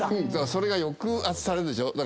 それが抑圧されるでしょ。